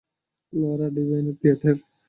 Laura ডিভাইনের theatre.